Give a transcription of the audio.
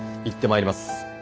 行ってまいります。